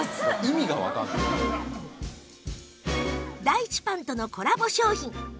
第一パンとのコラボ商品